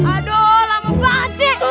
aduh lama banget